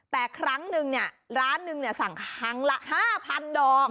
แต่ครั้งนึงเนี่ยร้านหนึ่งสั่งครั้งละ๕๐๐ดอก